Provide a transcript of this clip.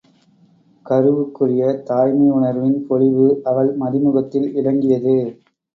கருவுக்குரிய தாய்மை யுணர்வின் பொலிவு அவள் மதிமுகத்தில் இலங்கியது.